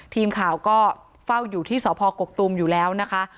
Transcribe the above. ทีมข่าวก็เฝ้าอยู่ที่สพกกตูมอยู่แล้วนะคะ